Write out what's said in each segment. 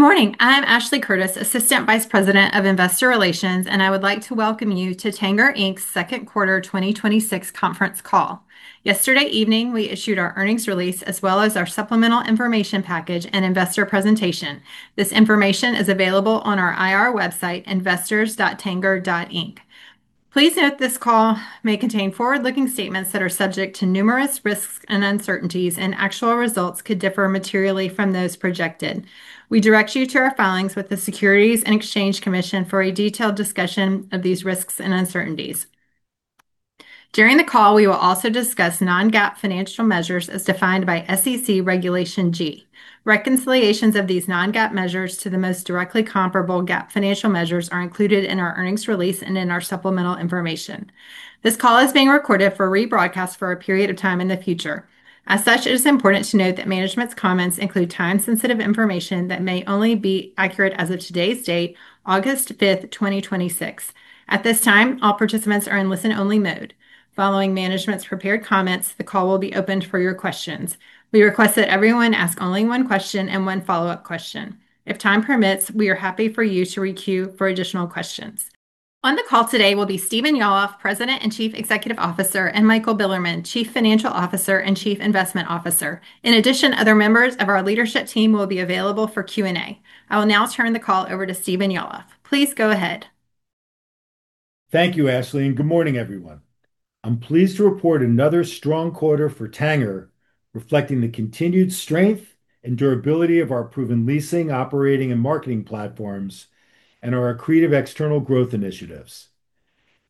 Good morning. I'm Ashley Curtis, Assistant Vice President of Investor Relations, and I would like to welcome you to Tanger Inc.'s second quarter 2026 conference call. Yesterday evening, we issued our earnings release as well as our supplemental information package and investor presentation. This information is available on our IR website, investors.tanger.inc. Please note this call may contain forward-looking statements that are subject to numerous risks and uncertainties, and actual results could differ materially from those projected. We direct you to our filings with the Securities and Exchange Commission for a detailed discussion of these risks and uncertainties. During the call, we will also discuss non-GAAP financial measures as defined by SEC Regulation G. Reconciliations of these non-GAAP measures to the most directly comparable GAAP financial measures are included in our earnings release and in our supplemental information. This call is being recorded for rebroadcast for a period of time in the future. As such, it is important to note that management's comments include time-sensitive information that may only be accurate as of today's date, August 5th, 2026. At this time, all participants are in listen-only mode. Following management's prepared comments, the call will be opened for your questions. We request that everyone ask only one question and one follow-up question. If time permits, we are happy for you to re-queue for additional questions. On the call today will be Stephen Yalof, President and Chief Executive Officer, and Michael Bilerman, Chief Financial Officer and Chief Investment Officer. In addition, other members of our leadership team will be available for Q&A. I will now turn the call over to Stephen Yalof. Please go ahead. Thank you, Ashley, and good morning, everyone. I'm pleased to report another strong quarter for Tanger, reflecting the continued strength and durability of our proven leasing, operating, and marketing platforms, and our accretive external growth initiatives.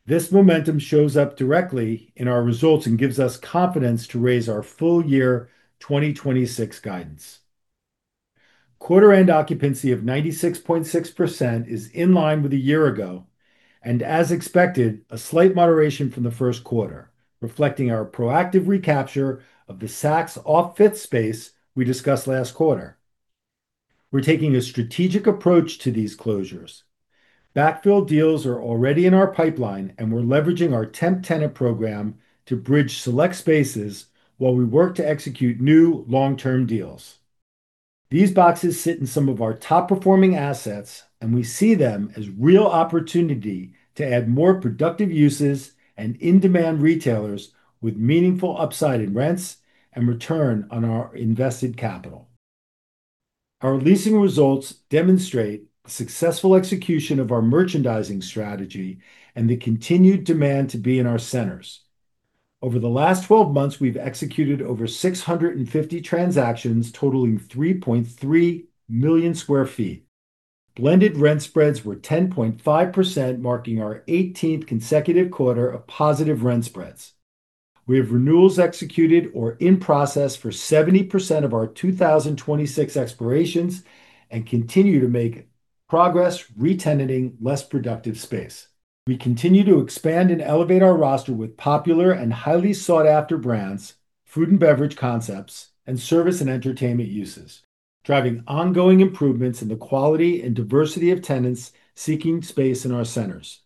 This momentum shows up directly in our results and gives us confidence to raise our full year 2026 guidance. Quarter end occupancy of 96.6% is in line with a year ago, and as expected, a slight moderation from the first quarter, reflecting our proactive recapture of the Saks OFF 5th space we discussed last quarter. We're taking a strategic approach to these closures. Backfill deals are already in our pipeline, and we're leveraging our temp tenant program to bridge select spaces while we work to execute new long-term deals. These boxes sit in some of our top-performing assets, and we see them as real opportunity to add more productive uses and in-demand retailers with meaningful upside in rents and return on our invested capital. Our leasing results demonstrate successful execution of our merchandising strategy and the continued demand to be in our centers. Over the last 12 months, we've executed over 650 transactions totaling 3.3 million square feet. Blended rent spreads were 10.5%, marking our 18th consecutive quarter of positive rent spreads. We have renewals executed or in process for 70% of our 2026 expirations and continue to make progress re-tenanting less productive space. We continue to expand and elevate our roster with popular and highly sought-after brands, food and beverage concepts, and service and entertainment uses, driving ongoing improvements in the quality and diversity of tenants seeking space in our centers.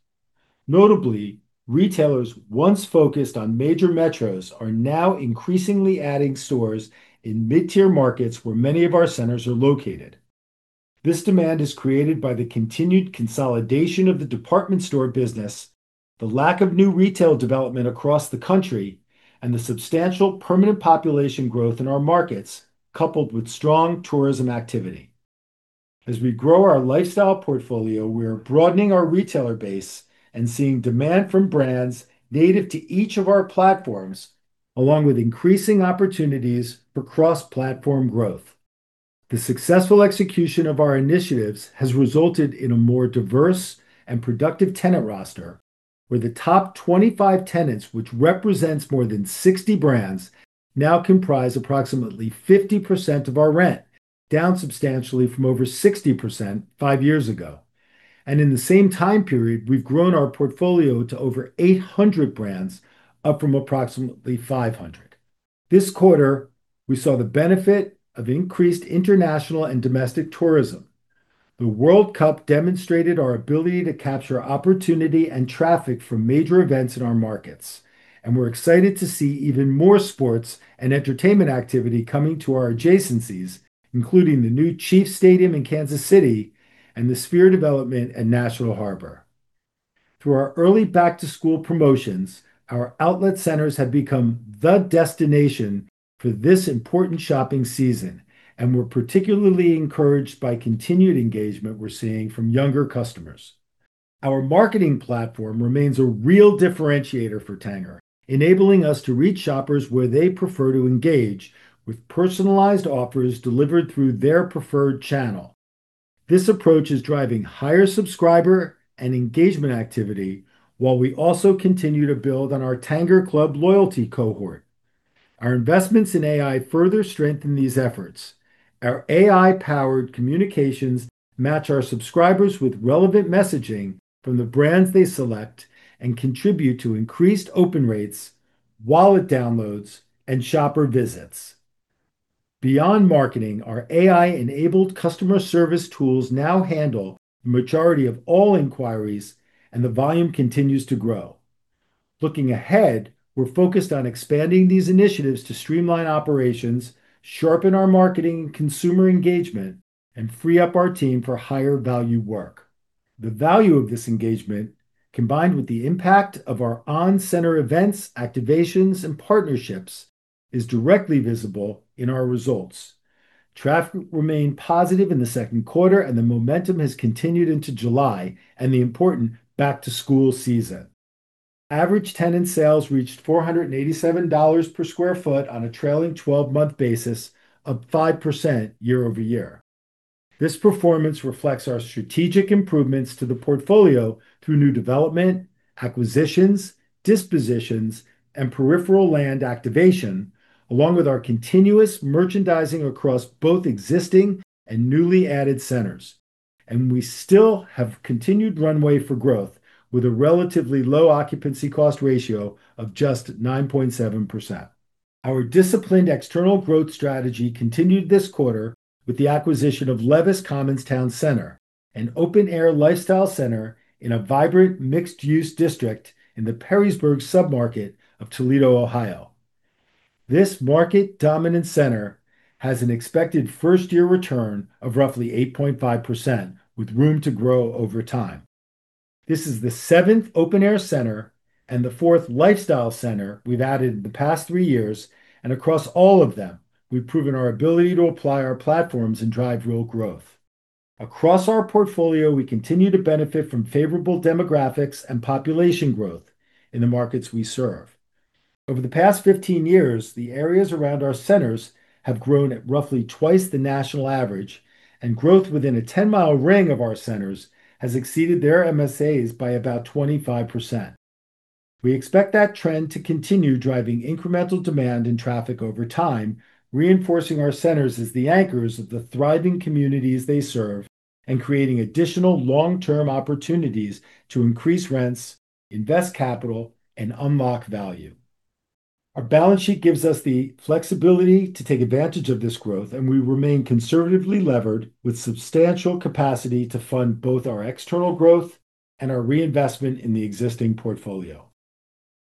Notably, retailers once focused on major metros are now increasingly adding stores in mid-tier markets where many of our centers are located. This demand is created by the continued consolidation of the department store business, the lack of new retail development across the country, and the substantial permanent population growth in our markets, coupled with strong tourism activity. As we grow our lifestyle portfolio, we are broadening our retailer base and seeing demand from brands native to each of our platforms, along with increasing opportunities for cross-platform growth. The successful execution of our initiatives has resulted in a more diverse and productive tenant roster, where the top 25 tenants, which represents more than 60 brands, now comprise approximately 50% of our rent, down substantially from over 60% five years ago. In the same time period, we've grown our portfolio to over 800 brands, up from approximately 500. This quarter, we saw the benefit of increased international and domestic tourism. The World Cup demonstrated our ability to capture opportunity and traffic from major events in our markets, and we're excited to see even more sports and entertainment activity coming to our adjacencies, including the new Chiefs stadium in Kansas City and the Sphere Development at National Harbor. Through our early back-to-school promotions, our outlet centers have become the destination for this important shopping season, and we're particularly encouraged by continued engagement we're seeing from younger customers. Our marketing platform remains a real differentiator for Tanger, enabling us to reach shoppers where they prefer to engage with personalized offers delivered through their preferred channel. This approach is driving higher subscriber and engagement activity, while we also continue to build on our TangerClub loyalty cohort. Our investments in AI further strengthen these efforts. Our AI-powered communications match our subscribers with relevant messaging from the brands they select and contribute to increased open rates, wallet downloads, and shopper visits. Beyond marketing, our AI-enabled customer service tools now handle the majority of all inquiries, and the volume continues to grow. Looking ahead, we're focused on expanding these initiatives to streamline operations, sharpen our marketing and consumer engagement, and free up our team for higher value work. The value of this engagement, combined with the impact of our on-center events, activations, and partnerships, is directly visible in our results. Traffic remained positive in the second quarter, and the momentum has continued into July and the important back-to-school season. Average tenant sales reached $487 per sq ft on a trailing 12-month basis, up 5% year-over-year. This performance reflects our strategic improvements to the portfolio through new development, acquisitions, dispositions, and peripheral land activation, along with our continuous merchandising across both existing and newly added centers. We still have continued runway for growth with a relatively low occupancy cost ratio of just 9.7%. Our disciplined external growth strategy continued this quarter with the acquisition of Levis Commons Town Center, an open air lifestyle center in a vibrant mixed use district in the Perrysburg submarket of Toledo, Ohio. This market dominant center has an expected first year return of roughly 8.5%, with room to grow over time. This is the seventh open air center and the fourth lifestyle center we've added in the past three years, and across all of them, we've proven our ability to apply our platforms and drive real growth. Across our portfolio, we continue to benefit from favorable demographics and population growth in the markets we serve. Over the past 15 years, the areas around our centers have grown at roughly twice the national average. Growth within a 10-mile ring of our centers has exceeded their MSAs by about 25%. We expect that trend to continue, driving incremental demand and traffic over time, reinforcing our centers as the anchors of the thriving communities they serve, and creating additional long-term opportunities to increase rents, invest capital, and unlock value. Our balance sheet gives us the flexibility to take advantage of this growth. We remain conservatively levered with substantial capacity to fund both our external growth and our reinvestment in the existing portfolio.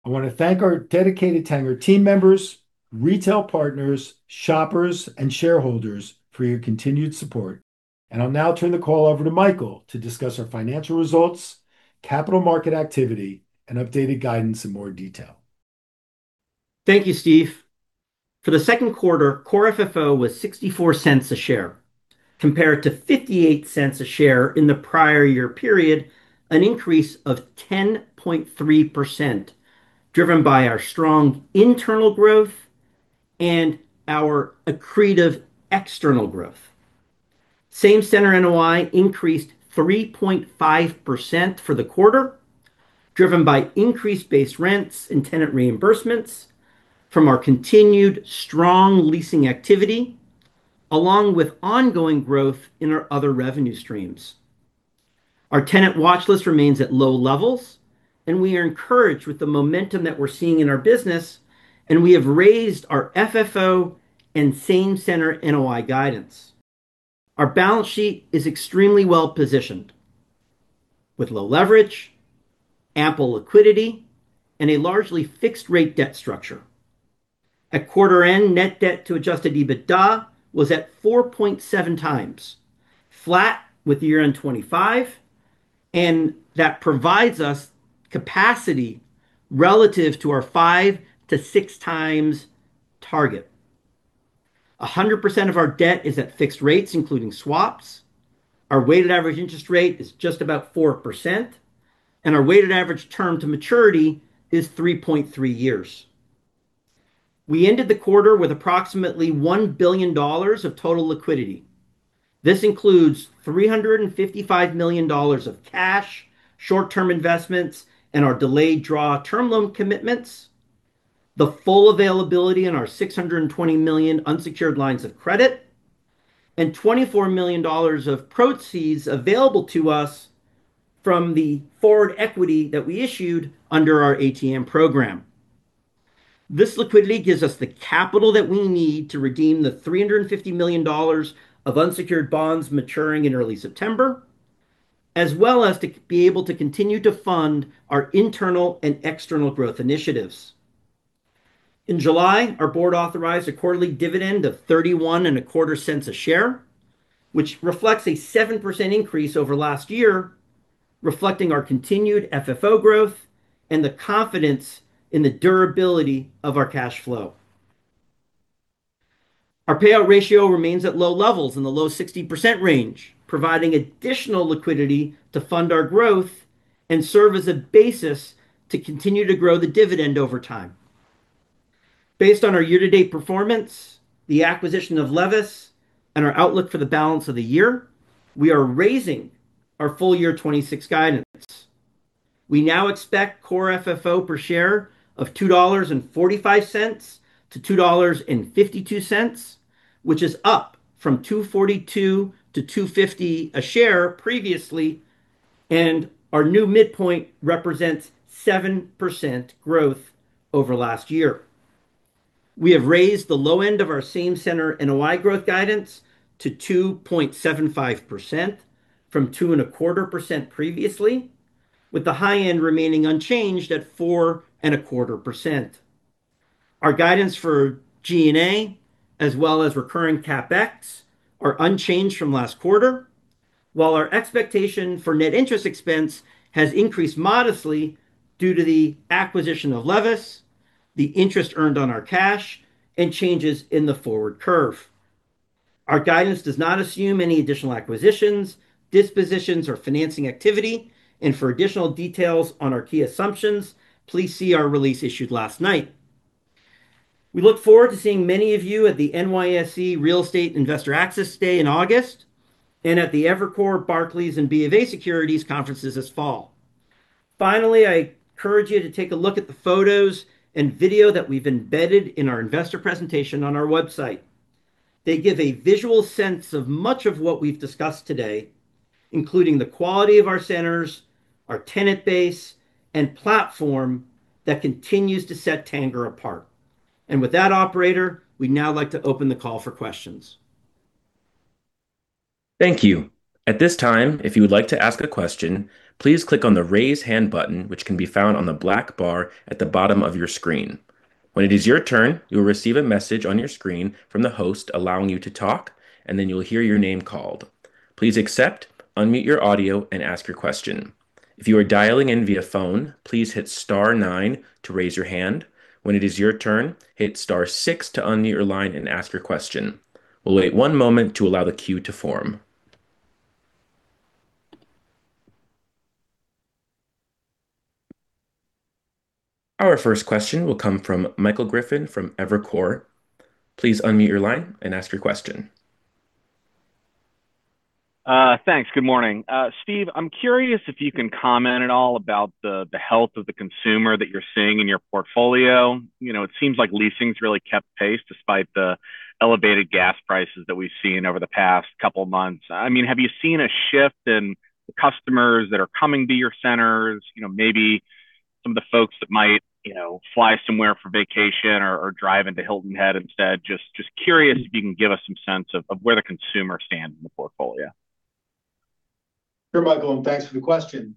I want to thank our dedicated Tanger team members, retail partners, shoppers, and shareholders for your continued support. I'll now turn the call over to Michael to discuss our financial results, capital market activity, and updated guidance in more detail. Thank you, Steve. For the second quarter, Core FFO was $0.64 a share, compared to $0.58 a share in the prior year period, an increase of 10.3%, driven by our strong internal growth and our accretive external growth. Same Center NOI increased 3.5% for the quarter, driven by increased base rents and tenant reimbursements from our continued strong leasing activity, along with ongoing growth in our other revenue streams. Our tenant watch list remains at low levels. We are encouraged with the momentum that we're seeing in our business. We have raised our FFO and Same Center NOI guidance. Our balance sheet is extremely well-positioned, with low leverage, ample liquidity, and a largely fixed rate debt structure. At quarter end, net debt to adjusted EBITDA was at 4.7 times, flat with year-end 2025. That provides us capacity relative to our five to six times target. 100% of our debt is at fixed rates, including swaps. Our weighted average interest rate is just about 4%. Our weighted average term to maturity is 3.3 years. We ended the quarter with approximately $1 billion of total liquidity. This includes $355 million of cash, short-term investments, and our delayed draw term loan commitments, the full availability on our $620 million unsecured lines of credit. $24 million of proceeds available to us from the forward equity that we issued under our ATM program. This liquidity gives us the capital that we need to redeem the $350 million of unsecured bonds maturing in early September, as well as to be able to continue to fund our internal and external growth initiatives. In July, our board authorized a quarterly dividend of $0.3125 a share, which reflects a 7% increase over last year, reflecting our continued FFO growth and the confidence in the durability of our cash flow. Our payout ratio remains at low levels, in the low 60% range, providing additional liquidity to fund our growth and serve as a basis to continue to grow the dividend over time. Based on our year-to-date performance, the acquisition of Levis, and our outlook for the balance of the year, we are raising our full year 2026 guidance. We now expect Core FFO per share of $2.45-$2.52, which is up from $2.42-$2.50 a share previously, and our new midpoint represents 7% growth over last year. We have raised the low end of our Same Center NOI growth guidance to 2.75% from 2.25% previously, with the high end remaining unchanged at 4.25%. Our guidance for G&A, as well as recurring CapEx, are unchanged from last quarter, while our expectation for net interest expense has increased modestly due to the acquisition of Levis, the interest earned on our cash, and changes in the forward curve. Our guidance does not assume any additional acquisitions, dispositions, or financing activity. For additional details on our key assumptions, please see our release issued last night. We look forward to seeing many of you at the NYSE Real Estate Investor Access day in August, and at the Evercore, Barclays, and BofA Securities conferences this fall. Finally, I encourage you to take a look at the photos and video that we've embedded in our investor presentation on our website. They give a visual sense of much of what we've discussed today, including the quality of our centers, our tenant base, and platform that continues to set Tanger apart. With that, operator, we'd now like to open the call for questions. Thank you. At this time, if you would like to ask a question, please click on the raise hand button, which can be found on the black bar at the bottom of your screen. When it is your turn, you will receive a message on your screen from the host allowing you to talk, and then you'll hear your name called. Please accept, unmute your audio and ask your question. If you are dialing in via phone, please hit star nine to raise your hand. When it is your turn, hit star six to unmute your line and ask your question. We'll wait one moment to allow the queue to form. Our first question will come from Michael Griffin from Evercore. Please unmute your line and ask your question. Thanks. Good morning. Steve, I'm curious if you can comment at all about the health of the consumer that you're seeing in your portfolio. It seems like leasing's really kept pace despite the elevated gas prices that we've seen over the past couple of months. Have you seen a shift in the customers that are coming to your centers? Maybe some of the folks that might fly somewhere for vacation or drive into Hilton Head instead. Just curious if you can give us some sense of where the consumer stands in the portfolio. Sure, Michael. Thanks for the question.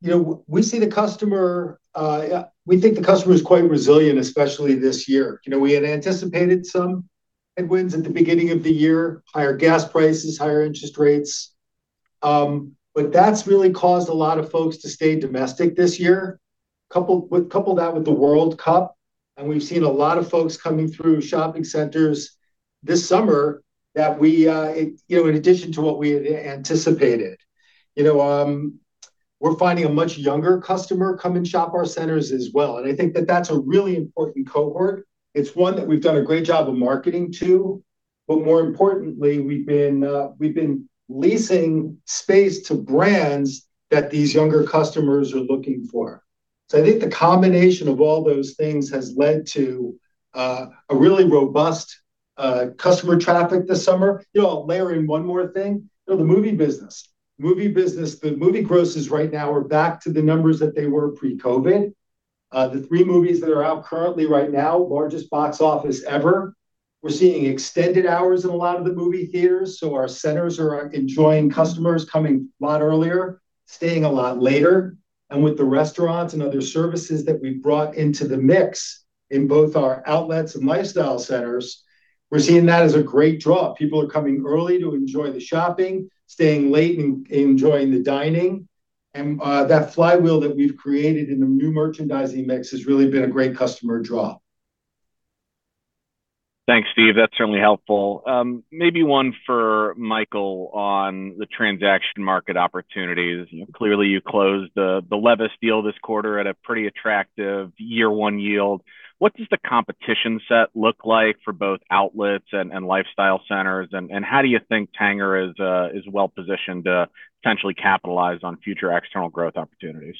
We think the customer is quite resilient, especially this year. We had anticipated some headwinds at the beginning of the year, higher gas prices, higher interest rates. That's really caused a lot of folks to stay domestic this year. Couple that with the World Cup, we've seen a lot of folks coming through shopping centers this summer, in addition to what we had anticipated. We're finding a much younger customer come and shop our centers as well, I think that that's a really important cohort. It's one that we've done a great job of marketing to. More importantly, we've been leasing space to brands that these younger customers are looking for. I think the combination of all those things has led to a really robust customer traffic this summer. I'll layer in one more thing. The movie business. The movie grosses right now are back to the numbers that they were pre-COVID. The three movies that are out currently right now, largest box office ever. We're seeing extended hours in a lot of the movie theaters, our centers are enjoying customers coming a lot earlier, staying a lot later. With the restaurants and other services that we've brought into the mix in both our outlets and lifestyle centers, we're seeing that as a great draw. People are coming early to enjoy the shopping, staying late and enjoying the dining. That flywheel that we've created in the new merchandising mix has really been a great customer draw. Thanks, Steve. That's certainly helpful. Maybe one for Michael on the transaction market opportunities. Clearly, you closed the Levi's deal this quarter at a pretty attractive year one yield. What does the competition set look like for both outlets and lifestyle centers? How do you think Tanger is well-positioned to potentially capitalize on future external growth opportunities?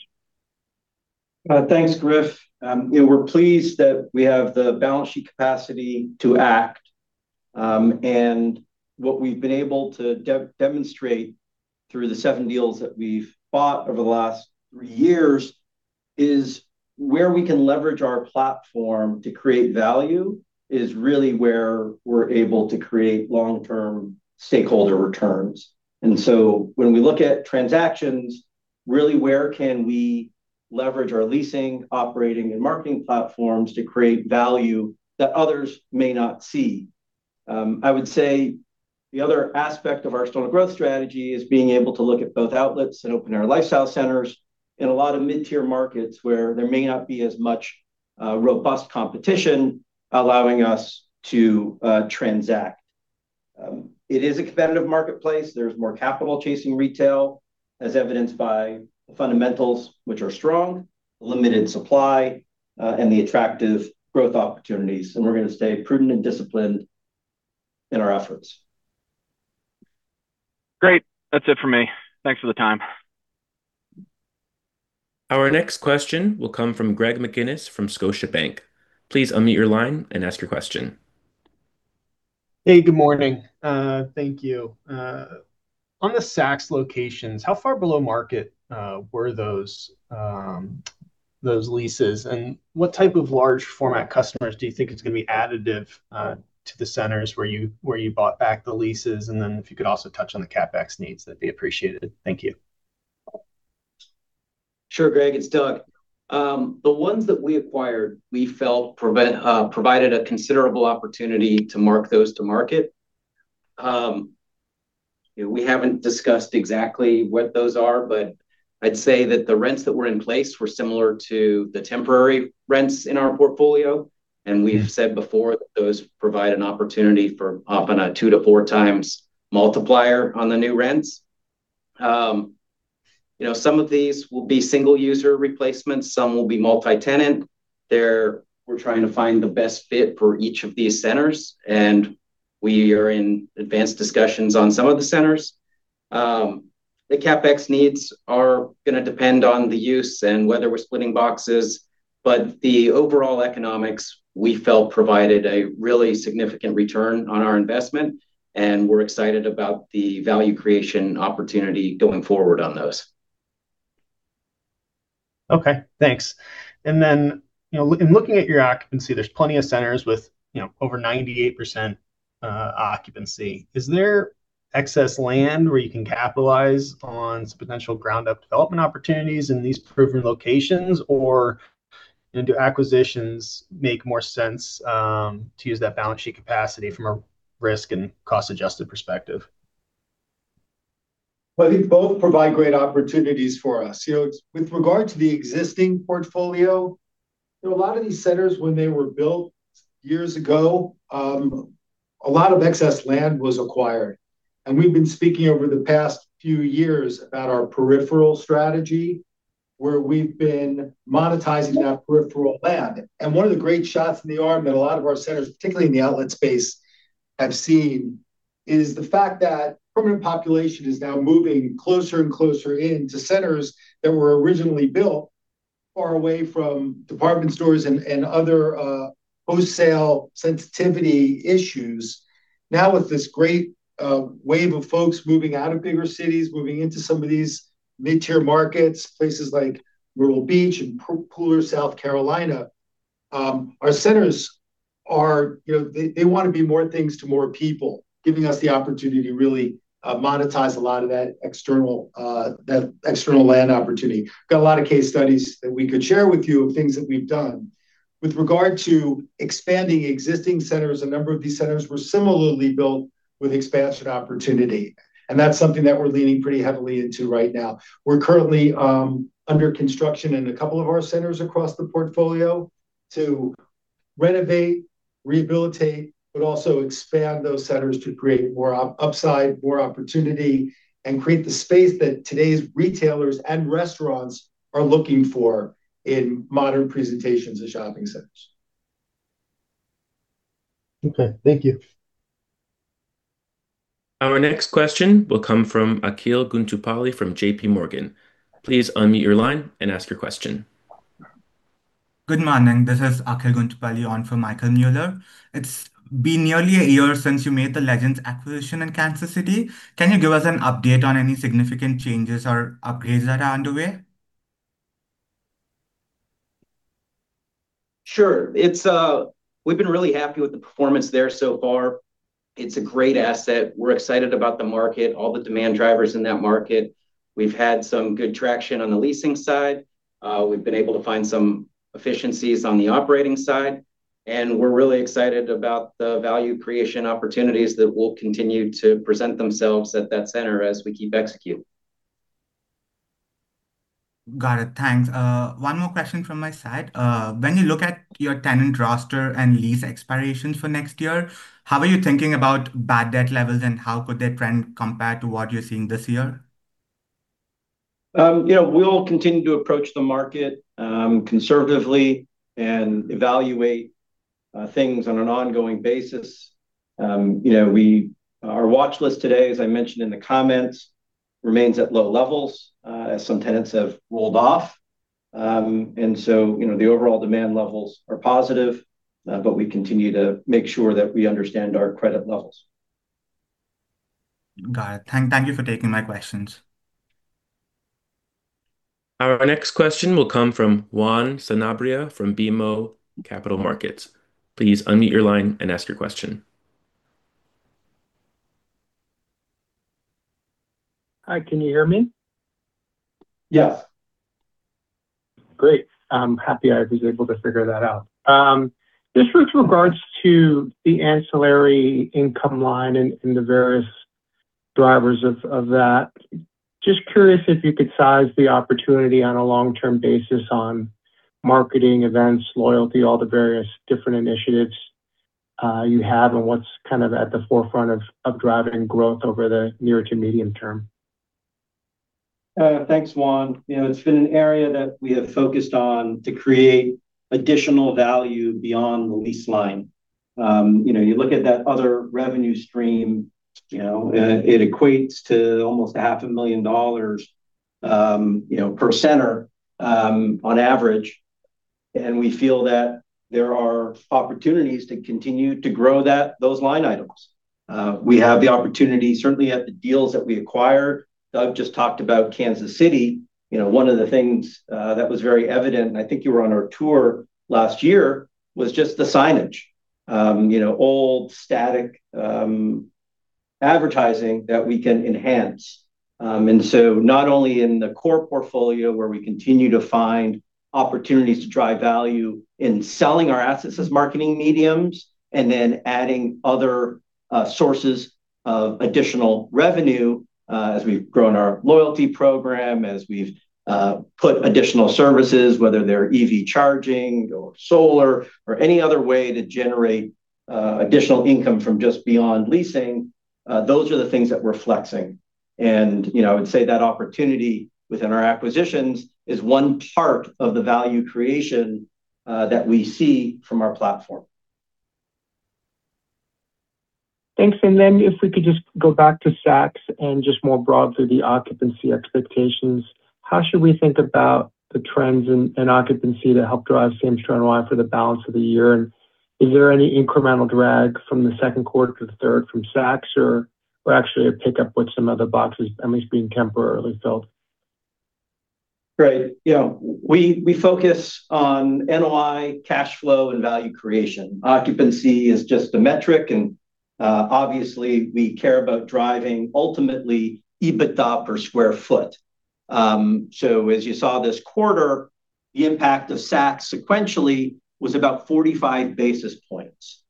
Thanks, Griff. We're pleased that we have the balance sheet capacity to act. What we've been able to demonstrate through the seven deals that we've bought over the last three years is where we can leverage our platform to create value is really where we're able to create long-term stakeholder returns. So when we look at transactions, really where can we leverage our leasing, operating, and marketing platforms to create value that others may not see? I would say the other aspect of our external growth strategy is being able to look at both outlets and open-air lifestyle centers in a lot of mid-tier markets where there may not be as much robust competition allowing us to transact. It is a competitive marketplace. There's more capital chasing retail, as evidenced by the fundamentals, which are strong, limited supply, and the attractive growth opportunities, and we're going to stay prudent and disciplined in our efforts. Great. That's it for me. Thanks for the time. Our next question will come from Greg McGinniss from Scotiabank. Please unmute your line and ask your question. Hey, good morning. Thank you. On the Saks locations, how far below market were those leases, and what type of large format customers do you think it's going to be additive to the centers where you bought back the leases? If you could also touch on the CapEx needs, that'd be appreciated. Thank you. Sure, Greg, it's Doug. The ones that we acquired, we felt provided a considerable opportunity to mark those to market. We haven't discussed exactly what those are, but I'd say that the rents that were in place were similar to the temporary rents in our portfolio, and we've said before that those provide an opportunity for often a two to four times multiplier on the new rents. Some of these will be single user replacements, some will be multi-tenant. We're trying to find the best fit for each of these centers, and we are in advanced discussions on some of the centers. The CapEx needs are going to depend on the use and whether we're splitting boxes, but the overall economics, we felt provided a really significant return on our investment, and we're excited about the value creation opportunity going forward on those. Okay, thanks. In looking at your occupancy, there's plenty of centers with over 98% occupancy. Is there excess land where you can capitalize on some potential ground up development opportunities in these proven locations? Do acquisitions make more sense to use that balance sheet capacity from a risk and cost adjusted perspective? Well, I think both provide great opportunities for us. With regard to the existing portfolio, a lot of these centers when they were built years ago, a lot of excess land was acquired. We've been speaking over the past few years about our peripheral strategy, where we've been monetizing that peripheral land. One of the great shots in the arm that a lot of our centers, particularly in the outlet space, have seen is the fact that permanent population is now moving closer and closer in to centers that were originally built far away from department stores and other wholesale sensitivity issues. Now with this great wave of folks moving out of bigger cities, moving into some of these mid-tier markets, places like Myrtle Beach and Pooler, South Carolina. Our centers want to be more things to more people, giving us the opportunity to really monetize a lot of that external land opportunity. Got a lot of case studies that we could share with you of things that we've done. With regard to expanding existing centers, a number of these centers were similarly built with expansion opportunity, and that's something that we're leaning pretty heavily into right now. We're currently under construction in a couple of our centers across the portfolio to renovate, rehabilitate, but also expand those centers to create more upside, more opportunity, and create the space that today's retailers and restaurants are looking for in modern presentations of shopping centers. Okay, thank you. Our next question will come from Akhil Guntupalli from J.P. Morgan. Please unmute your line and ask your question. Good morning. This is Akhil Guntupalli on for Michael Mueller. It's been nearly a year since you made the Legends acquisition in Kansas City. Can you give us an update on any significant changes or upgrades that are underway? Sure. We've been really happy with the performance there so far. It's a great asset. We're excited about the market, all the demand drivers in that market. We've had some good traction on the leasing side. We've been able to find some efficiencies on the operating side, and we're really excited about the value creation opportunities that will continue to present themselves at that center as we keep executing. Got it. Thanks. One more question from my side. When you look at your tenant roster and lease expirations for next year, how are you thinking about bad debt levels and how could they trend compared to what you're seeing this year? We'll continue to approach the market conservatively and evaluate things on an ongoing basis. Our watch list today, as I mentioned in the comments, remains at low levels as some tenants have rolled off. The overall demand levels are positive, but we continue to make sure that we understand our credit levels. Got it. Thank you for taking my questions. Our next question will come from Juan Sanabria from BMO Capital Markets. Please unmute your line and ask your question. Hi, can you hear me? Yes. Great. I'm happy I was able to figure that out. Just with regards to the ancillary income line and the various drivers of that. Just curious if you could size the opportunity on a long-term basis on marketing events, loyalty, all the various different initiatives you have and what's kind of at the forefront of driving growth over the near to medium term. Thanks, Juan. It's been an area that we have focused on to create additional value beyond the lease line. You look at that other revenue stream, it equates to almost a half a million dollars per center on average. We feel that there are opportunities to continue to grow those line items. We have the opportunity, certainly at the deals that we acquired. Doug just talked about Kansas City. One of the things that was very evident, and I think you were on our tour last year, was just the signage. Old static advertising that we can enhance. Not only in the core portfolio where we continue to find opportunities to drive value in selling our assets as marketing mediums and then adding other sources of additional revenue as we've grown our loyalty program, as we've put additional services, whether they're EV charging or solar or any other way to generate additional income from just beyond leasing. Those are the things that we're flexing. I would say that opportunity within our acquisitions is one part of the value creation that we see from our platform. Thanks. If we could just go back to Saks and just more broad to the occupancy expectations. How should we think about the trends in occupancy that help drive Same Center NOI for the balance of the year? Is there any incremental drag from the second quarter to the third from Saks or actually a pickup with some other boxes at least being temporarily filled? Great. We focus on NOI cash flow and value creation. Occupancy is just a metric and, obviously, we care about driving ultimately EBITDA per square foot. As you saw this quarter, the impact of Saks sequentially was about 45 basis points.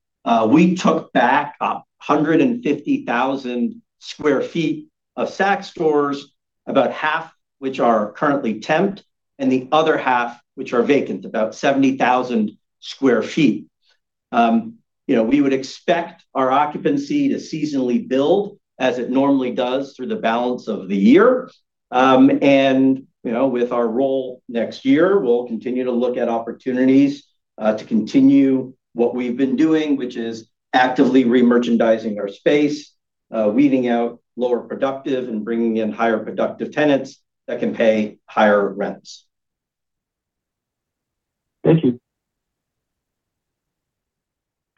We took back 150,000 square feet of Saks stores, about half which are currently temped and the other half which are vacant, about 70,000 square feet. We would expect our occupancy to seasonally build as it normally does through the balance of the year. With our roll next year, we'll continue to look at opportunities to continue what we've been doing, which is actively remerchandising our space, weeding out lower productive and bringing in higher productive tenants that can pay higher rents. Thank you.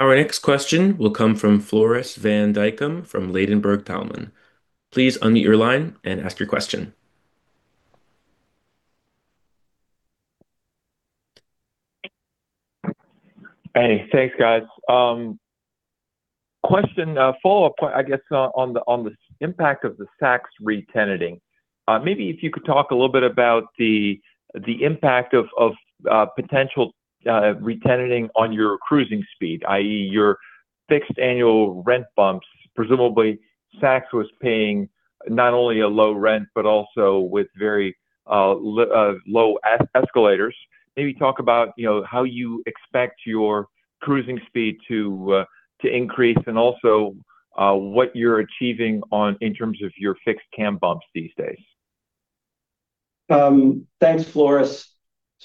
Our next question will come from Floris van Dijkum from Ladenburg Thalmann. Please unmute your line and ask your question. Hey, thanks, guys. Question, a follow-up, I guess, on the impact of the Saks re-tenanting. Maybe if you could talk a little bit about the impact of potential re-tenanting on your cruising speed, i.e., your fixed annual rent bumps. Presumably, Saks was paying not only a low rent, but also with very low escalators. Maybe talk about how you expect your cruising speed to increase and also what you're achieving in terms of your Fixed CAM bumps these days. Thanks, Floris.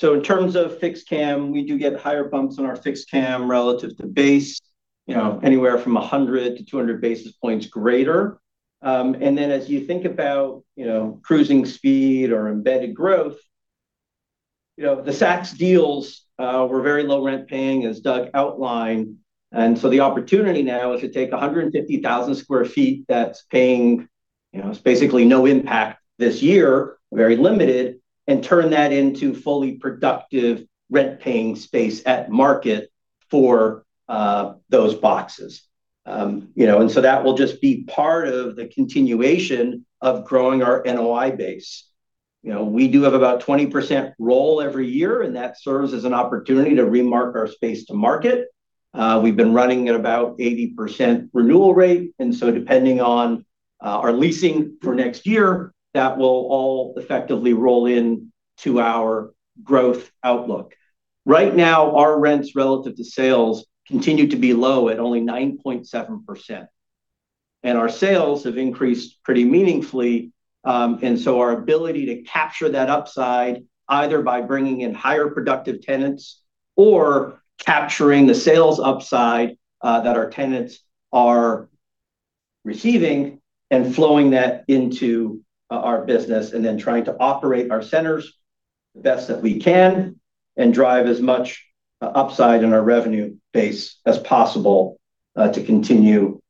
In terms of Fixed CAM, we do get higher bumps on our Fixed CAM relative to base, anywhere from 100 to 200 basis points greater. As you think about cruising speed or embedded growth, the Saks deals were very low rent paying, as Doug outlined. The opportunity now is to take 150,000 sq ft that's paying, it's basically no impact this year, very limited, and turn that into fully productive rent-paying space at market for those boxes. That will just be part of the continuation of growing our NOI base. We do have about 20% roll every year, and that serves as an opportunity to remark our space to market. We've been running at about 80% renewal rate, depending on our leasing for next year, that will all effectively roll into our growth outlook. Right now, our rents relative to sales continue to be low at only 9.7%. Our sales have increased pretty meaningfully, our ability to capture that upside, either by bringing in higher productive tenants or capturing the sales upside that our tenants are receiving and flowing that into our business, trying to operate our centers the best that we can and drive as much upside in our revenue base as possible, to continue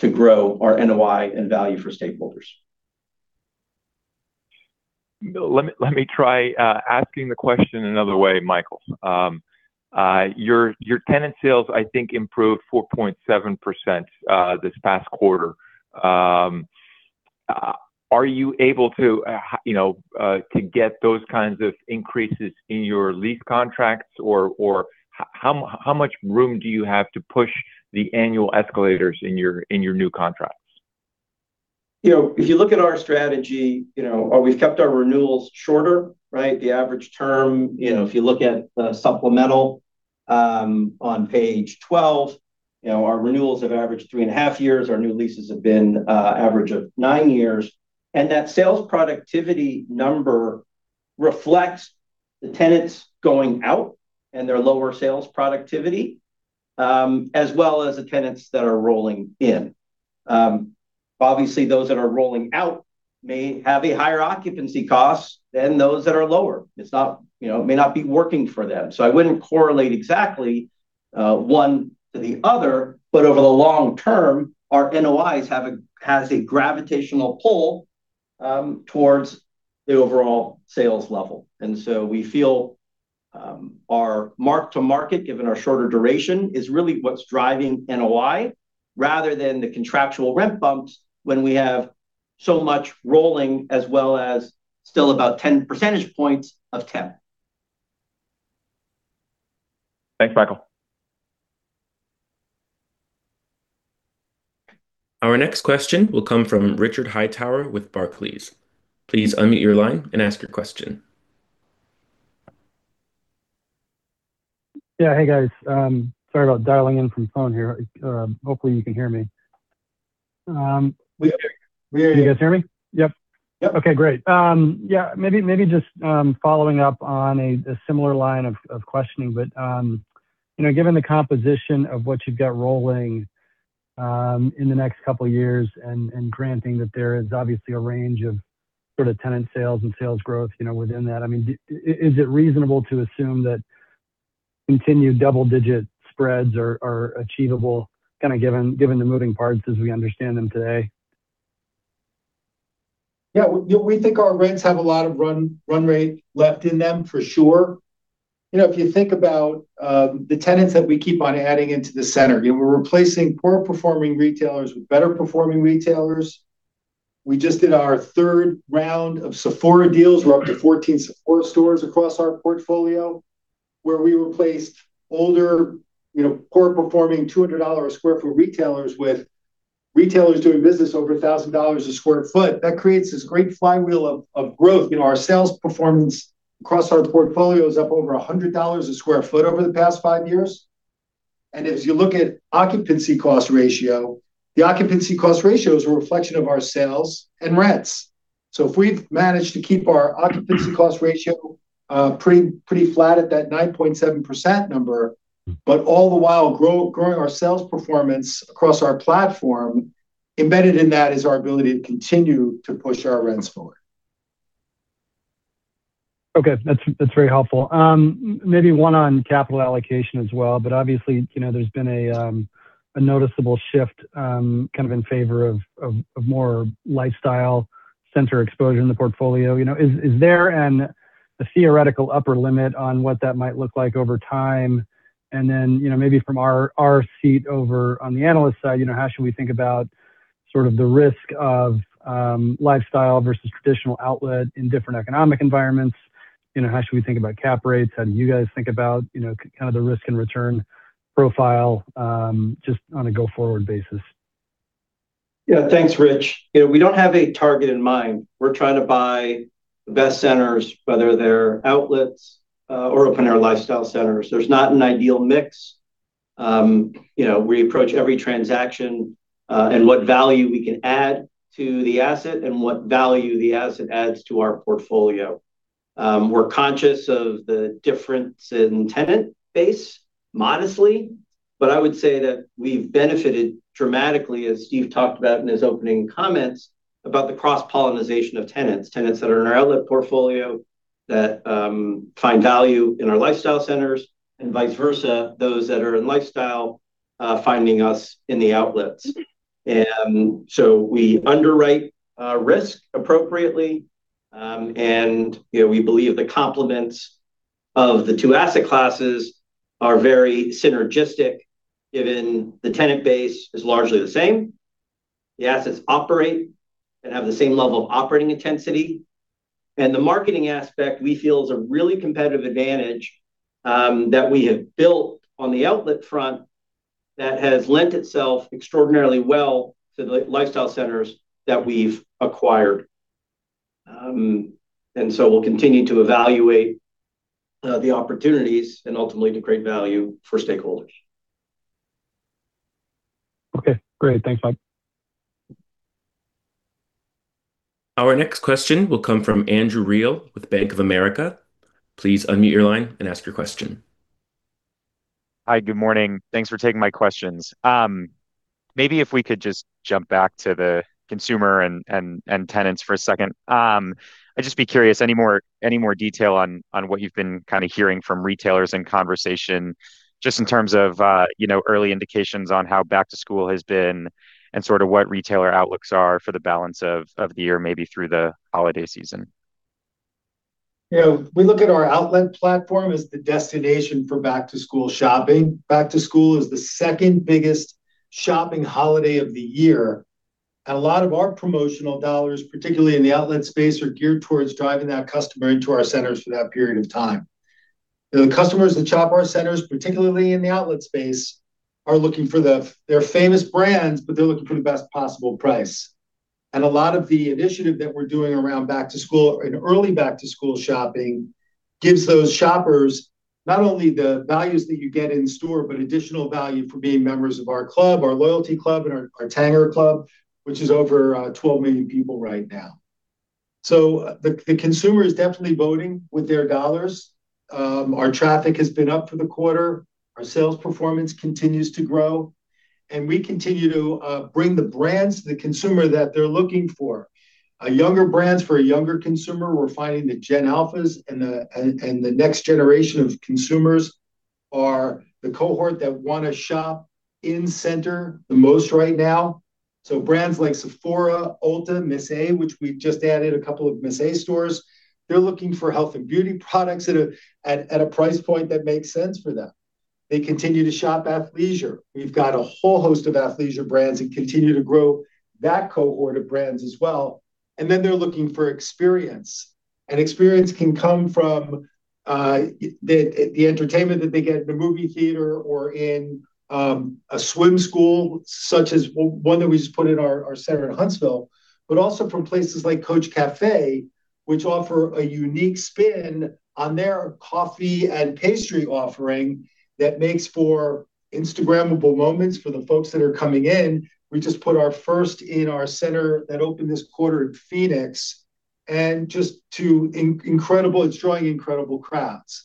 to grow our NOI and value for stakeholders. Let me try asking the question another way, Michael. Your tenant sales, I think, improved 4.7% this past quarter. Are you able to get those kinds of increases in your lease contracts? Or how much room do you have to push the annual escalators in your new contracts? If you look at our strategy, we've kept our renewals shorter, right? The average term, if you look at the supplemental, on page 12. Our renewals have averaged three and a half years. Our new leases have been average of nine years. That sales productivity number reflects the tenants going out and their lower sales productivity As well as the tenants that are rolling in. Obviously, those that are rolling out may have a higher occupancy cost than those that are lower. It may not be working for them. I wouldn't correlate exactly one to the other, but over the long term, our NOI has a gravitational pull towards the overall sales level. We feel our mark to market, given our shorter duration, is really what's driving NOI rather than the contractual rent bumps when we have so much rolling, as well as still about 10 percentage points of tenant. Thanks, Michael. Our next question will come from Richard Hightower with Barclays. Please unmute your line and ask your question. Yeah. Hey, guys. Sorry about dialing in from phone here. Hopefully you can hear me. We can. We hear you. Can you guys hear me? Yep. Yep. Okay, great. Yeah, maybe just following up on a similar line of questioning, given the composition of what you've got rolling in the next couple of years and granting that there is obviously a range of sort of tenant sales and sales growth within that. Is it reasonable to assume that continued double-digit spreads are achievable given the moving parts as we understand them today? Yeah, we think our rents have a lot of run rate left in them for sure. If you think about the tenants that we keep on adding into the center, we're replacing poor performing retailers with better performing retailers. We just did our third round of Sephora deals. We're up to 14 Sephora stores across our portfolio where we replaced older, poor performing $200 a square foot retailers with retailers doing business over $1,000 a square foot. That creates this great flywheel of growth. Our sales performance across our portfolio is up over $100 a square foot over the past five years. If you look at occupancy cost ratio, the occupancy cost ratio is a reflection of our sales and rents. If we've managed to keep our occupancy cost ratio pretty flat at that 9.7% number, all the while growing our sales performance across our platform, embedded in that is our ability to continue to push our rents forward. Okay. That's very helpful. Maybe one on capital allocation as well, obviously, there's been a noticeable shift in favor of more lifestyle center exposure in the portfolio. Is there a theoretical upper limit on what that might look like over time? Then, maybe from our seat over on the analyst side, how should we think about sort of the risk of lifestyle versus traditional outlet in different economic environments? How should we think about cap rates? How do you guys think about the risk and return profile, just on a go forward basis? Yeah. Thanks, Rich. We don't have a target in mind. We're trying to buy the best centers, whether they're outlets or open-air lifestyle centers. There's not an ideal mix. We approach every transaction and what value we can add to the asset and what value the asset adds to our portfolio. We're conscious of the difference in tenant base modestly, I would say that we've benefited dramatically, as Steve talked about in his opening comments, about the cross-pollinization of tenants. Tenants that are in our outlet portfolio that find value in our lifestyle centers and vice versa, those that are in lifestyle finding us in the outlets. We underwrite risk appropriately. We believe the complements of the two asset classes are very synergistic given the tenant base is largely the same. The assets operate and have the same level of operating intensity. The marketing aspect, we feel is a really competitive advantage that we have built on the outlet front that has lent itself extraordinarily well to the lifestyle centers that we've acquired. We'll continue to evaluate the opportunities and ultimately to create value for stakeholders. Okay, great. Thanks, Mike. Our next question will come from Andrew Reale with Bank of America. Please unmute your line and ask your question. Hi. Good morning. Thanks for taking my questions. Maybe if we could just jump back to the consumer and tenants for a second. I'd just be curious, any more detail on what you've been kind of hearing from retailers in conversation, just in terms of early indications on how back to school has been and sort of what retailer outlooks are for the balance of the year, maybe through the holiday season? We look at our outlet platform as the destination for back to school shopping. Back to school is the second biggest shopping holiday of the year. A lot of our promotional dollars, particularly in the outlet space, are geared towards driving that customer into our centers for that period of time. The customers that shop our centers, particularly in the outlet space, are looking for their famous brands. They're looking for the best possible price. A lot of the initiative that we're doing around back to school and early back to school shopping gives those shoppers not only the values that you get in store, but additional value for being members of our club, our loyalty club and our TangerClub, which is over 12 million people right now. The consumer is definitely voting with their dollars. Our traffic has been up for the quarter. Our sales performance continues to grow. We continue to bring the brands to the consumer that they're looking for. Younger brands for a younger consumer. We're finding that Generation Alpha and the next generation of consumers are the cohort that want to shop in-center the most right now. Brands like Sephora, Ulta, Miss A, which we've just added a couple of Miss A stores. They're looking for health and beauty products at a price point that makes sense for them. They continue to shop athleisure. We've got a whole host of athleisure brands and continue to grow that cohort of brands as well. They're looking for experience. Experience can come from the entertainment that they get in the movie theater or in a swim school, such as one that we just put in our center in Huntsville, but also from places like Coach Coffee Shop, which offer a unique spin on their coffee and pastry offering that makes for Instagrammable moments for the folks that are coming in. We just put our first in our center that opened this quarter in Phoenix. Just incredible. It's drawing incredible crowds.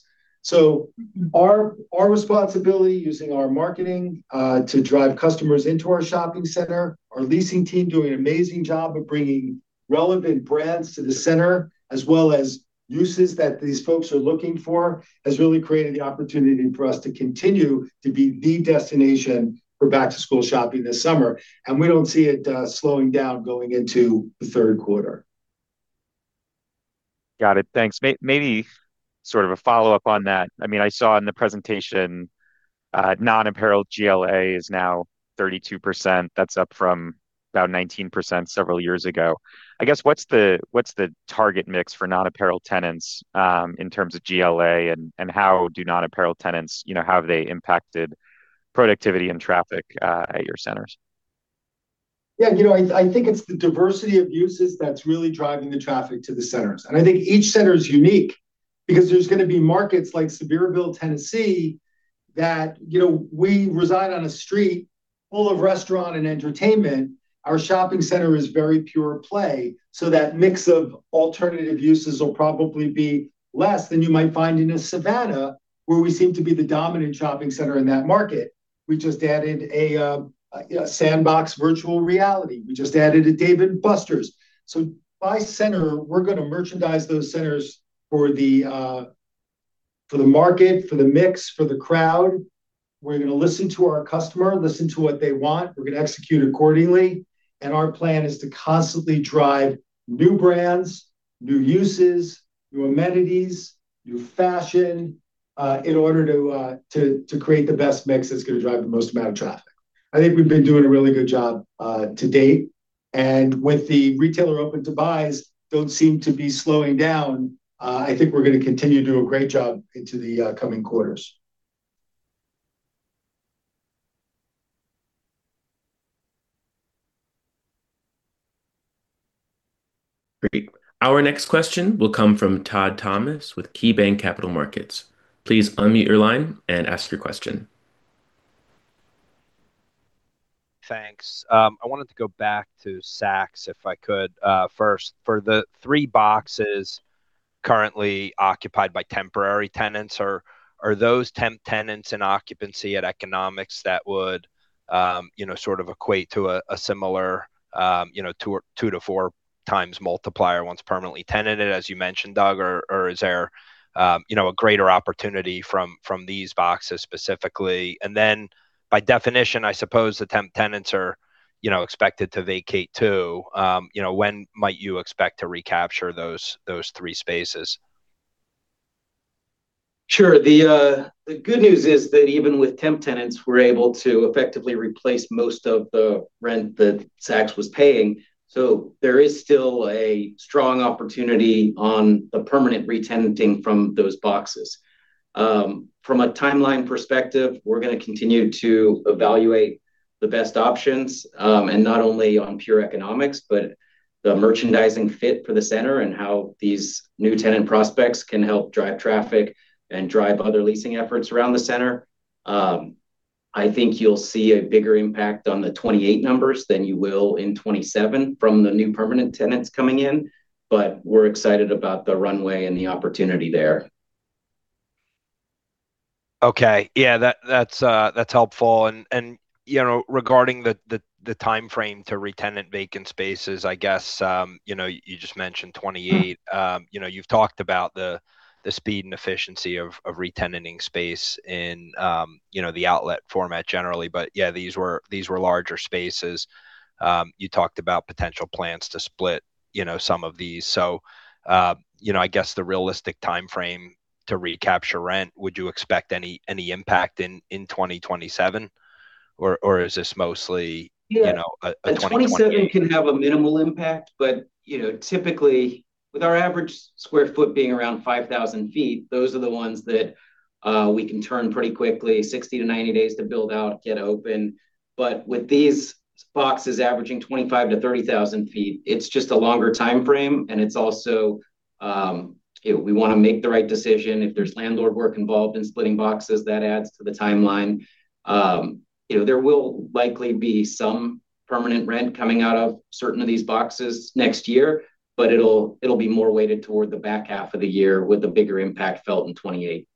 Our responsibility, using our marketing, to drive customers into our shopping center, our leasing team doing an amazing job of bringing relevant brands to the center, as well as uses that these folks are looking for, has really created the opportunity for us to continue to be the destination for back-to-school shopping this summer. We don't see it slowing down going into the third quarter. Got it. Thanks. Maybe sort of a follow-up on that. I saw in the presentation, non-apparel GLA is now 32%. That's up from about 19% several years ago. I guess, what's the target mix for non-apparel tenants, in terms of GLA, and how do non-apparel tenants, have they impacted productivity and traffic, at your centers? Yeah. I think it's the diversity of uses that's really driving the traffic to the centers. I think each center's unique because there's going to be markets like Sevierville, Tennessee, that we reside on a street full of restaurant and entertainment. Our shopping center is very pure play, so that mix of alternative uses will probably be less than you might find in a Savannah, where we seem to be the dominant shopping center in that market. We just added a Sandbox virtual reality. We just added a Dave & Buster's. By center, we're going to merchandise those centers for the market, for the mix, for the crowd. We're going to listen to our customer, listen to what they want. We're going to execute accordingly. Our plan is to constantly drive new brands, new uses, new amenities, new fashion, in order to create the best mix that's going to drive the most amount of traffic. I think we've been doing a really good job to date. With the retailer open to buys don't seem to be slowing down, I think we're going to continue to do a great job into the coming quarters. Great. Our next question will come from Todd Thomas with KeyBanc Capital Markets. Please unmute your line and ask your question. Thanks. I wanted to go back to Saks if I could. First, for the three boxes currently occupied by temporary tenants, are those temp tenants in occupancy at economics that would sort of equate to a similar, two to four times multiplier once permanently tenanted as you mentioned, Doug? Is there a greater opportunity from these boxes specifically? By definition, I suppose the temp tenants are expected to vacate, too. When might you expect to recapture those three spaces? Sure. The good news is that even with temp tenants, we're able to effectively replace most of the rent that Saks was paying. There is still a strong opportunity on the permanent re-tenanting from those boxes. From a timeline perspective, we're going to continue to evaluate the best options, and not only on pure economics, but the merchandising fit for the center and how these new tenant prospects can help drive traffic and drive other leasing efforts around the center. I think you'll see a bigger impact on the 2028 numbers than you will in 2027 from the new permanent tenants coming in, but we're excited about the runway and the opportunity there. Okay. Yeah, that's helpful. Regarding the timeframe to re-tenant vacant spaces, I guess, you just mentioned 2028. You've talked about the speed and efficiency of re-tenanting space in the outlet format generally. Yeah, these were larger spaces. You talked about potential plans to split some of these. I guess the realistic timeframe to recapture rent. Would you expect any impact in 2027? Is this mostly a 2028? Yeah. A 2027 can have a minimal impact, but typically with our average square foot being around 5,000 sq ft, those are the ones that we can turn pretty quickly, 60-90 days to build out, get open. With these boxes averaging 25,000-30,000 sq ft, it's just a longer timeframe, and it's also, we want to make the right decision. If there's landlord work involved in splitting boxes, that adds to the timeline. There will likely be some permanent rent coming out of certain of these boxes next year, but it'll be more weighted toward the back half of the year with a bigger impact felt in 2028.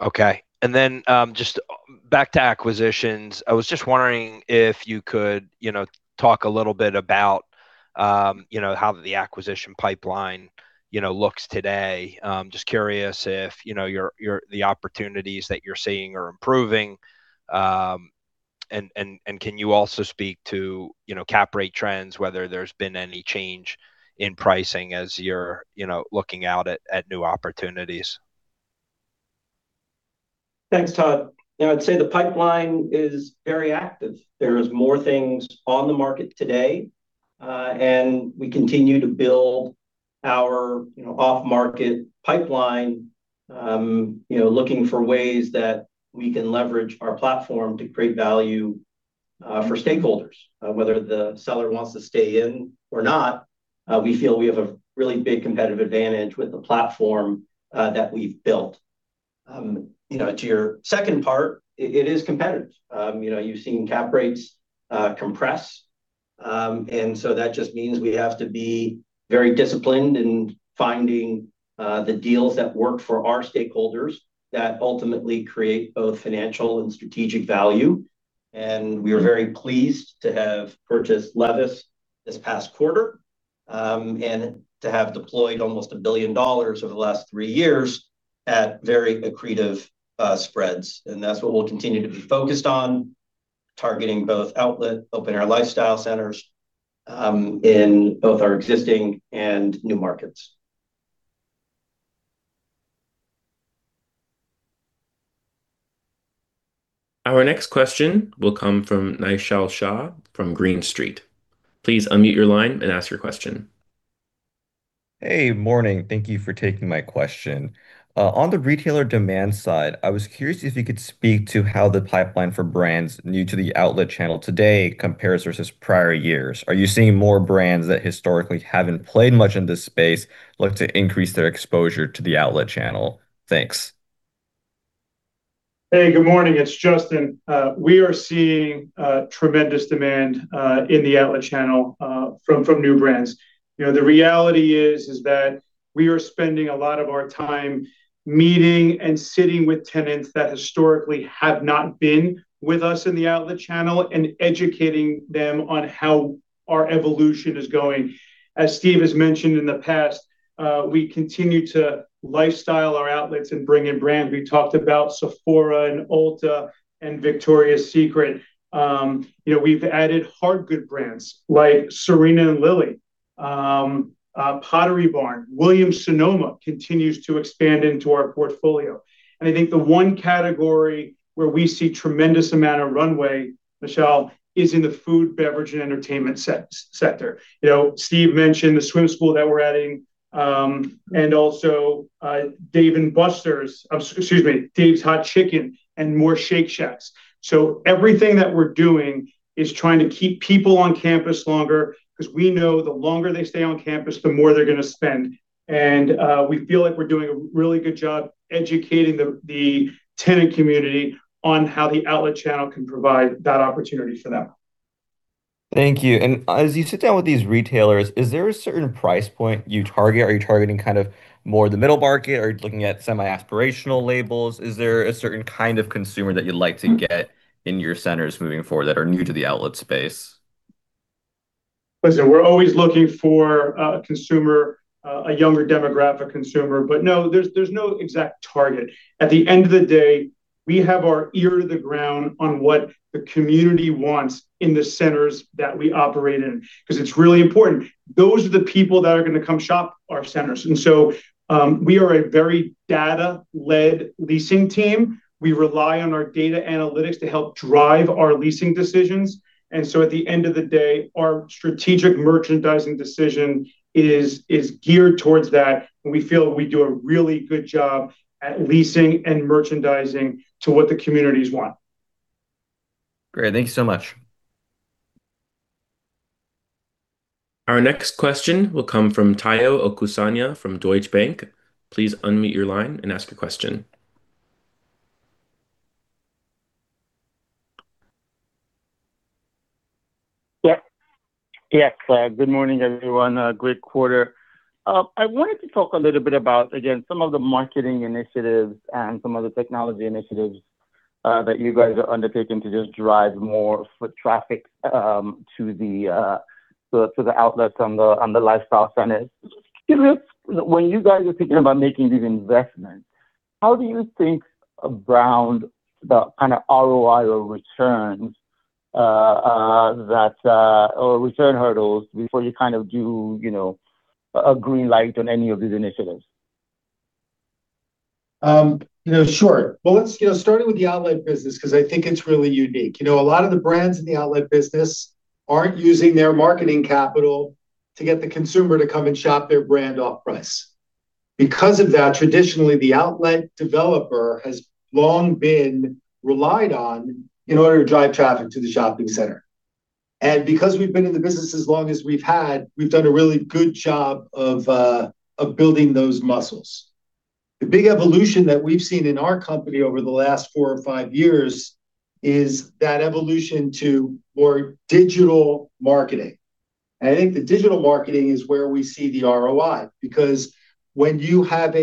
Okay. Then just back to acquisitions. I was just wondering if you could talk a little bit about how the acquisition pipeline looks today. Just curious if the opportunities that you're seeing are improving. Can you also speak to cap rate trends, whether there's been any change in pricing as you're looking out at new opportunities? Thanks, Todd. I'd say the pipeline is very active. There's more things on the market today. We continue to build our off-market pipeline, looking for ways that we can leverage our platform to create value for stakeholders. Whether the seller wants to stay in or not, we feel we have a really big competitive advantage with the platform that we've built. To your second part, it is competitive. You've seen cap rates compress. That just means we have to be very disciplined in finding the deals that work for our stakeholders that ultimately create both financial and strategic value. We are very pleased to have purchased Levis this past quarter, and to have deployed almost $1 billion over the last three years at very accretive spreads. That's what we'll continue to be focused on, targeting both outlet, open-air lifestyle centers, in both our existing and new markets. Our next question will come from Nishal Shah from Green Street. Please unmute your line and ask your question. Hey, morning. Thank you for taking my question. On the retailer demand side, I was curious if you could speak to how the pipeline for brands new to the outlet channel today compares versus prior years. Are you seeing more brands that historically haven't played much in this space look to increase their exposure to the outlet channel? Thanks. Hey, good morning. It's Justin. We are seeing tremendous demand in the outlet channel from new brands. The reality is that we are spending a lot of our time meeting and sitting with tenants that historically have not been with us in the outlet channel and educating them on how our evolution is going. As Steve has mentioned in the past, we continue to lifestyle our outlets and bring in brands. We talked about Sephora and Ulta and Victoria's Secret. We've added hard good brands like Serena & Lily, Pottery Barn. Williams-Sonoma continues to expand into our portfolio. I think the one category where we see tremendous amount of runway, Nishal, is in the food, beverage, and entertainment sector. Steve mentioned the swim school that we're adding, also Dave & Buster's Excuse me, Dave's Hot Chicken and more Shake Shacks. Everything that we're doing is trying to keep people on campus longer, because we know the longer they stay on campus, the more they're going to spend. We feel like we're doing a really good job educating the tenant community on how the outlet channel can provide that opportunity for them. Thank you. As you sit down with these retailers, is there a certain price point you target? Are you targeting more the middle market? Are you looking at semi-aspirational labels? Is there a certain kind of consumer that you'd like to get in your centers moving forward that are new to the outlet space? Listen, we're always looking for a consumer, a younger demographic consumer. No, there's no exact target. At the end of the day, we have our ear to the ground on what the community wants in the centers that we operate in, because it's really important. Those are the people that are going to come shop our centers. We are a very data-led leasing team. We rely on our data analytics to help drive our leasing decisions. At the end of the day, our strategic merchandising decision is geared towards that, and we feel that we do a really good job at leasing and merchandising to what the communities want. Great. Thank you so much. Our next question will come from Tayo Okusanya from Deutsche Bank. Please unmute your line and ask your question. Yes. Good morning, everyone. Great quarter. I wanted to talk a little bit about, again, some of the marketing initiatives and some of the technology initiatives that you guys are undertaking to just drive more foot traffic to the outlets and the lifestyle centers. When you guys are thinking about making these investments, how do you think around the kind of ROI or returns or return hurdles before you do a green light on any of these initiatives? Sure. Well, starting with the outlet business, because I think it's really unique. A lot of the brands in the outlet business aren't using their marketing capital to get the consumer to come and shop their brand off price. Traditionally, the outlet developer has long been relied on in order to drive traffic to the shopping center Because we've been in the business as long as we've had, we've done a really good job of building those muscles. The big evolution that we've seen in our company over the last four or five years is that evolution to more digital marketing. I think the digital marketing is where we see the ROI, because when you have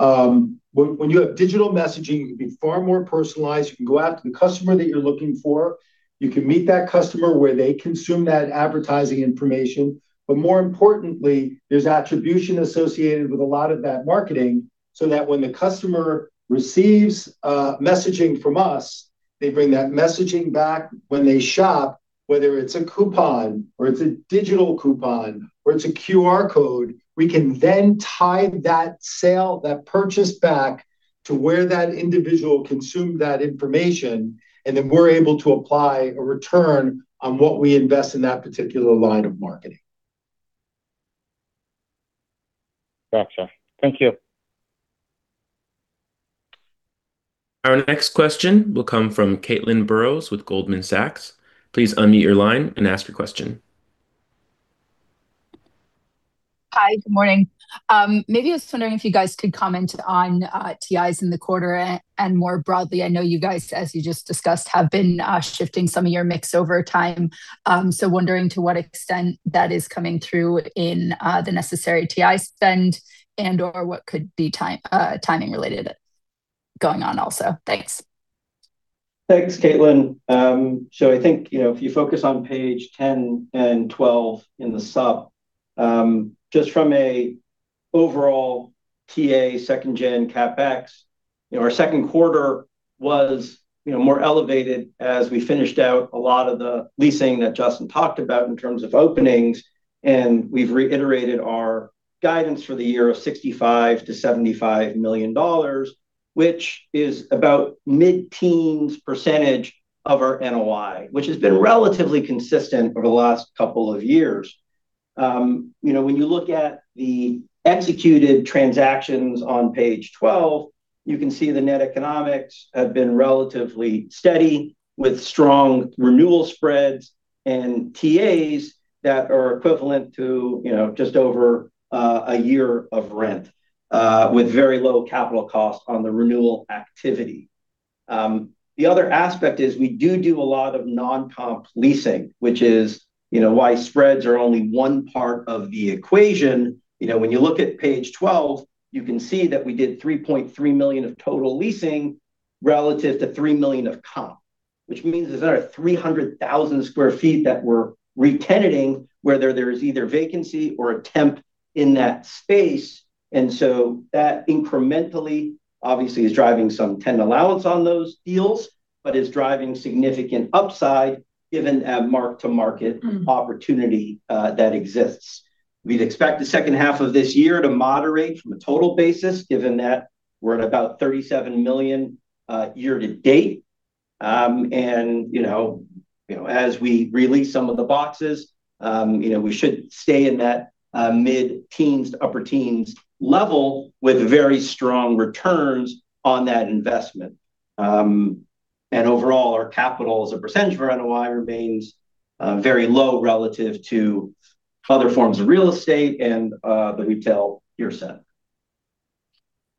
digital messaging, you can be far more personalized. You can go after the customer that you're looking for. You can meet that customer where they consume that advertising information. More importantly, there's attribution associated with a lot of that marketing, so that when the customer receives messaging from us, they bring that messaging back when they shop, whether it's a coupon or it's a digital coupon or it's a QR code. We can tie that sale, that purchase back to where that individual consumed that information, we're able to apply a return on what we invest in that particular line of marketing. Got you. Thank you. Our next question will come from Caitlin Burrows with Goldman Sachs. Please unmute your line and ask your question. Hi. Good morning. Maybe I was wondering if you guys could comment on TIs in the quarter and more broadly. I know you guys, as you just discussed, have been shifting some of your mix over time. Wondering to what extent that is coming through in the necessary TI spend and/or what could be timing related going on also. Thanks. Thanks, Caitlin. I think if you focus on page 10 and 12 in the sup, just from an overall TI second gen CapEx, our second quarter was more elevated as we finished out a lot of the leasing that Justin talked about in terms of openings, and we've reiterated our guidance for the year of $65-75 million, which is about mid-teens% of our NOI, which has been relatively consistent over the last couple of years. When you look at the executed transactions on page 12, you can see the net economics have been relatively steady with strong renewal spreads and TIs that are equivalent to just over a year of rent, with very low capital costs on the renewal activity. The other aspect is we do a lot of non-comp leasing, which is why spreads are only one part of the equation. When you look at page 12, you can see that we did $3.3 million of total leasing relative to $3 million of comp, which means there's another 300,000 sq ft that we're re-tenanting, whether there is either vacancy or a temp in that space. That incrementally obviously is driving some tenant allowance on those deals, but is driving significant upside given a mark to market opportunity that exists. We'd expect the second half of this year to moderate from a total basis given that we're at about $37 million year-to-date. As we release some of the boxes, we should stay in that mid-teens to upper teens level with very strong returns on that investment. Overall, our capital as a percentage of our NOI remains very low relative to other forms of real estate and the retail REIT set.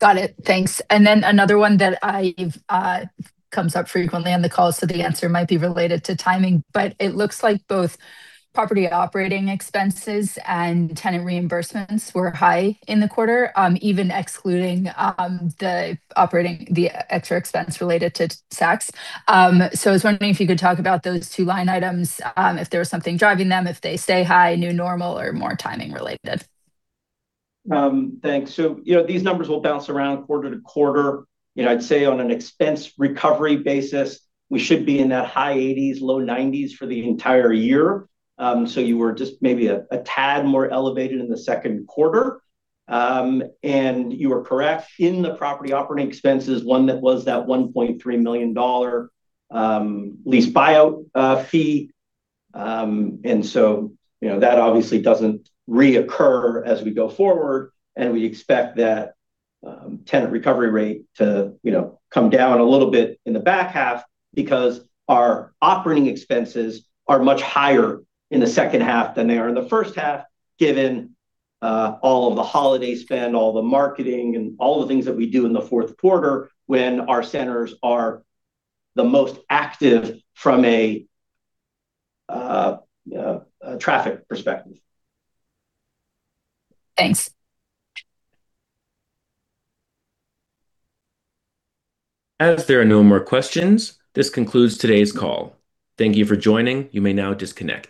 Got it. Thanks. Another one that comes up frequently on the call, the answer might be related to timing, but it looks like both property operating expenses and tenant reimbursements were high in the quarter, even excluding the extra expense related to TIs. I was wondering if you could talk about those two line items, if there was something driving them, if they stay high, new normal or more timing related. Thanks. These numbers will bounce around quarter to quarter. I'd say on an expense recovery basis, we should be in that high 80s, low 90s for the entire year. You were just maybe a tad more elevated in the second quarter. You are correct, in the property operating expenses, one that was that $1.3 million lease buyout fee. That obviously doesn't reoccur as we go forward and we expect that tenant recovery rate to come down a little bit in the back half because our operating expenses are much higher in the second half than they are in the first half, given all of the holiday spend, all the marketing and all the things that we do in the fourth quarter when our centers are the most active from a traffic perspective. Thanks. As there are no more questions, this concludes today's call. Thank you for joining. You may now disconnect.